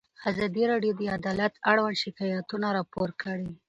ازادي راډیو د عدالت اړوند شکایتونه راپور کړي.